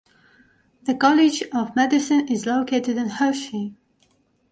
The College of Medicine is located in Hershey.